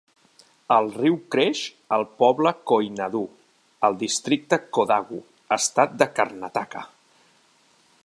El riu creix al poble Koinadu al districte Kodagu, estat de Karnataka.